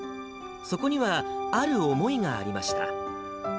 そこにはある思いがありました。